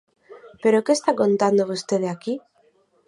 ¿Pero que está contando vostede aquí?